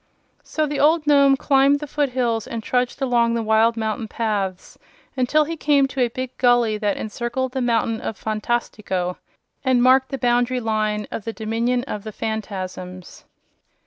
So the old Nome climbed the foothills and trudged along the wild mountain paths until he came to a big gully that encircled the Mountain of Phantastico and marked the boundary line of the dominion of the Phanfasms.